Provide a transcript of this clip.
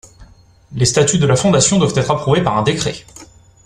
Les statuts de la fondation doivent être approuvés par un décret.